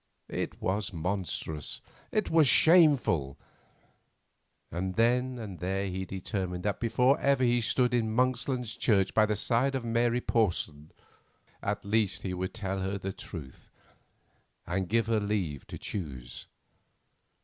It was monstrous; it was shameful; and then and there he determined that before ever he stood in Monksland church by the side of Mary Porson, at least he would tell her the truth, and give her leave to choose.